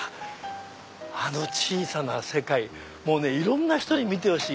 あの小さな世界いろんな人に見てほしい！